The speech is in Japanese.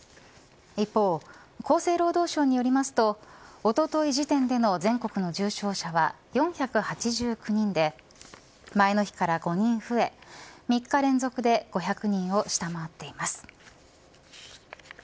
一方、厚生労働省によりますとおととい時点での全国の重症者は４８９人で前の日から５人増え３日連続で５００人を下回っています。